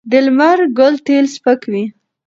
د لمر ګل تېل سپک وي.